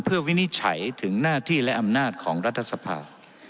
เพื่อวินิจฉัยถึงหน้าที่และอำนาจของรัฐสภา